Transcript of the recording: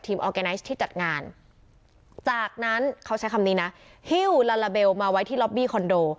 ออร์แกไนซ์ที่จัดงานจากนั้นเขาใช้คำนี้นะฮิ้วลาลาเบลมาไว้ที่ล็อบบี้คอนโด